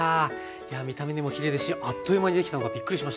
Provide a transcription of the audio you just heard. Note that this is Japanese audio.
いや見た目にもきれいですしあっという間にできたのがびっくりしました。